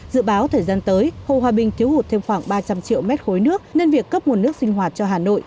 dự báo thời gian tới hồ hòa bình thiếu hụt thêm khoảng ba trăm linh triệu m ba nước nên việc cấp một nước sinh hoạt cho hà nội